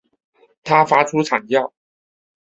他发出惨叫